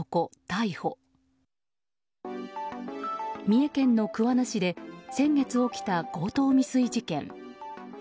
三重県の桑名市で先月起きた強盗未遂事件。